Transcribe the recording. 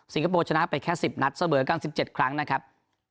คโปร์ชนะไปแค่๑๐นัดเสมอกัน๑๗ครั้งนะครับ